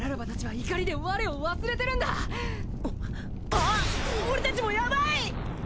あっ俺たちもヤバい！